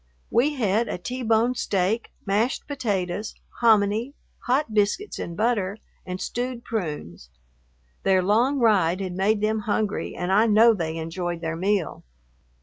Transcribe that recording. We had a T bone steak, mashed potatoes, hominy, hot biscuits and butter, and stewed prunes. Their long ride had made them hungry and I know they enjoyed their meal.